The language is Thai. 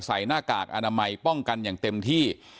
หน้ากากอนามัยป้องกันอย่างเต็มที่